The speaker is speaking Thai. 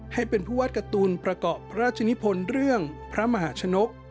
ให้เป็นผู้วาดการ์ตูนประกอบพระราชนิพลเรื่องพระมหาชนก